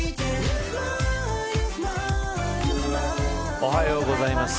おはようございます。